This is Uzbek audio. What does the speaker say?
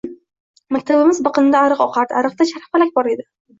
Maktabimiz biqinida ariq oqardi. Ariqda charxpalak bor edi.